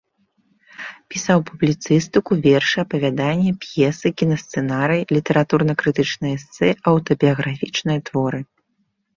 Пісаў публіцыстыку, вершы, апавяданні, п'есы, кінасцэнарыі, літаратурна-крытычныя эсэ, аўтабіяграфічныя творы.